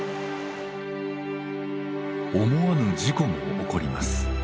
思わぬ事故も起こります。